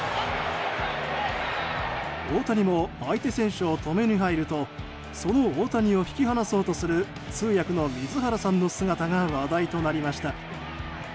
大谷も相手選手を止めに入るとその大谷を引き離そうとする通訳の水原さんの姿が話題となりました。